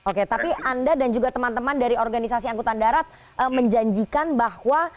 oke tapi anda dan juga teman teman dari organisasi angkutan darat menjanjikan bahwa